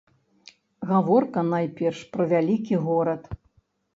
Гаворка найперш пра вялікі горад.